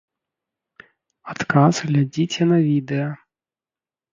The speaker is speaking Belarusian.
Адказ глядзіце на відэа.